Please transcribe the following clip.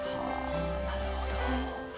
なるほど。